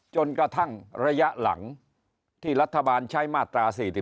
จนกระทั่งระยะหลังที่รัฐบาลใช้มาตรา๔๔